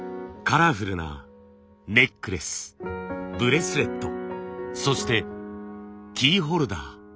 カラフルなネックレスブレスレットそしてキーホルダー。